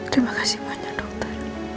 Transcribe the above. terima kasih banyak dokter